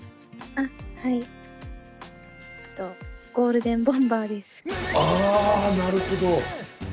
ああなるほど。